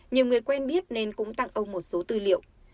nhiều người quen biết nên cũng tặng ông một số tư liệu